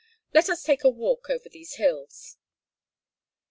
Let us take a walk over these hills."